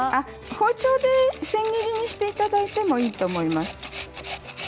包丁で千切りにしていただいてもいいと思います。